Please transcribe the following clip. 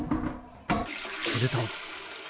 すると。